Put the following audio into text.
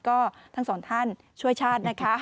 ก็ทั้งสองท่านช่วยชาตินะคะ